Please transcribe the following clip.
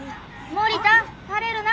森田垂れるな！